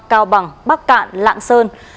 cao bằng bắc cạn lạng sơn